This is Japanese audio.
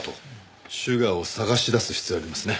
シュガーを捜し出す必要がありますね。